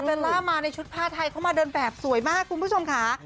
ล่ามาในชุดผ้าไทยเข้ามาเดินแบบสวยมากคุณผู้ชมค่ะ